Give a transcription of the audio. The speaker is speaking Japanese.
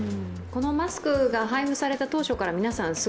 このマスクが配布された当初から皆さん